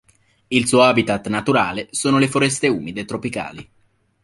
Il suo habitat naturale sono le foreste umide tropicali.